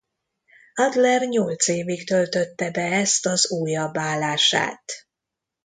Adler nyolc évig töltötte be ezt az újabb állását.